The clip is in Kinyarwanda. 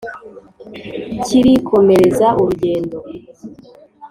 Kirikomereza urugendo